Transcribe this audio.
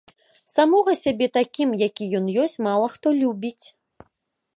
Самога сябе такім, які ён ёсць, мала хто любіць.